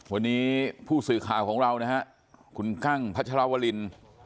วันนี้ผู้สื่อข้าวของเราคุณกั่งพลวลิน